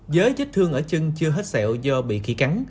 giới chức thương ở chân chưa hết sẹo do bị khí cắn